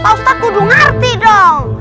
pak ustadz kudu ngerti dong